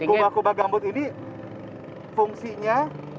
gumbak gumbak gambut ini fungsinya